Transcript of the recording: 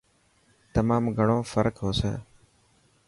تمام گھڻو فرڪ هوسي.